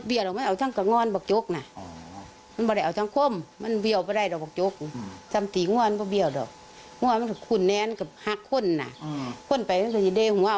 อีกะแหล่งเอ้ยตายซะแล้ว